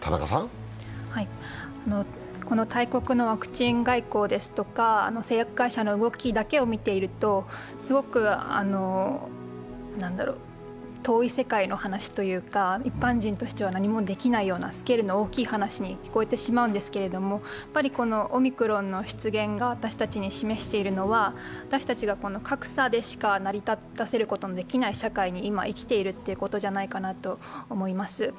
この大国のワクチン外交ですとか、製薬会社の動きだけを見ているとすごく遠い世界の話というか、一般人としては何もできないようなスケールの大きい話に聞こえてしまうんですけど、オミクロンの出現が私たちに示しているのは、私たちが格差でしか成り立たせることができない社会に今、生きているということじゃないかなと思います。